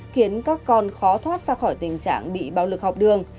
khiến các con khó thoát ra khỏi tình trạng bị bạo lực học đường